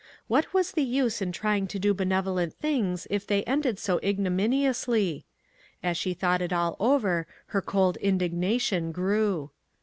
What was the use in trying to do benevolent things if they ended so ignominiously ? As she thought it all over, her cold indignation grew.